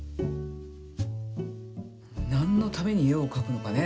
なんのためにえをかくのかね。